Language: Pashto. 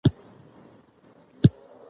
د سیاحت د زیربناوو د ودې شاهد و.